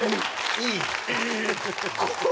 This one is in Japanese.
いい！